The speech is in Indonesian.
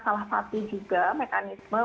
salah satu juga mekanisme